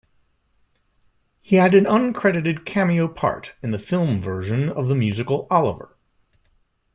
He had an uncredited cameo part in the film version of the musical Oliver!